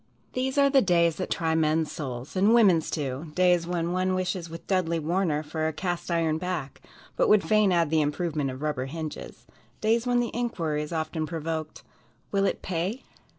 These are the days that try men's souls, and women's, too; days when one wishes with Dudley Warner for a "cast iron back," but would fain add the improvement of rubber hinges; days when the inquiry is often provoked, "Will it pay?"